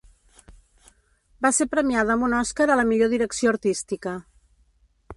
Va ser premiada amb un Oscar a la millor direcció artística.